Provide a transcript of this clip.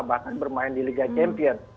bahkan bermain di liga champion